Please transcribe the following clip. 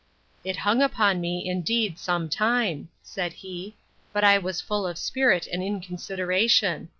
It hung upon me, indeed, some time, said he; but I was full of spirit and inconsideration.